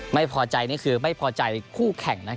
ไม่พอใจนี่คือไม่พอใจคู่แข่ง